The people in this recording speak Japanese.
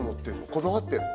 こだわってるの？